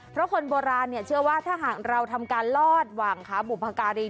เพราะคนโบราณเชื่อว่าถ้าหากเราทำการลอดหวังขาบุพการี